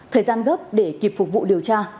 thời gian gấp để kịp phục vụ điều tra